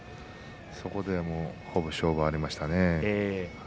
そこでもう勝負がありましたね。